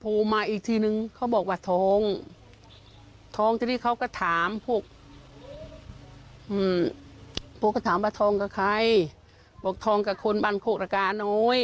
โทรมาอีกทีนึงเขาบอกว่าท้องท้องทีนี้เขาก็ถามพวกโพก็ถามว่าทองกับใครบอกทองกับคนบ้านโคกระกาน้อย